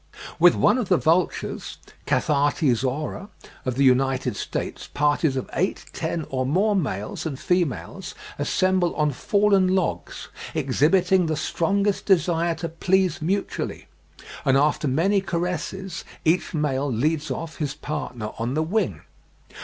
With one of the vultures (Cathartes aura) of the United States, parties of eight, ten, or more males and females assemble on fallen logs, "exhibiting the strongest desire to please mutually," and after many caresses, each male leads off his partner on the wing.